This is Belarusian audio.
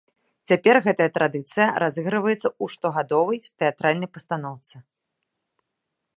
Цяпер гэтая традыцыя разыгрываецца ў штогадовай тэатральнай пастаноўцы.